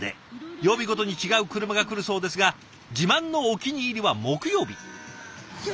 曜日ごとに違う車が来るそうですが自慢のお気に入りは木曜日。